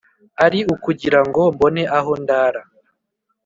Ari ukugirango mbone aho ndara?